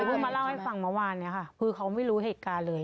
เพื่อมาเล่าให้ฟังเมื่อวานเนี่ยค่ะคือเขาไม่รู้เหตุการณ์เลย